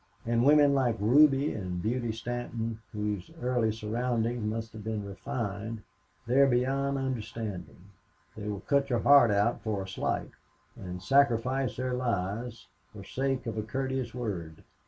And women like Ruby and Beauty Stanton, whose early surroundings must have been refined they are beyond understanding. They will cut your heart out for a slight, and sacrifice their lives for sake of a courteous word.